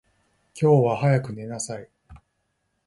今日は早く寝なさい。